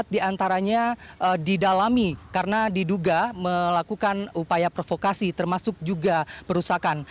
empat diantaranya didalami karena diduga melakukan upaya provokasi termasuk juga perusahaan